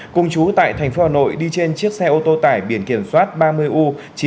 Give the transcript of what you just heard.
cùng chú tại thành phố hà nội đi trên chiếc xe ô tô tải biển kiểm soát ba mươi u chín nghìn bốn trăm một mươi năm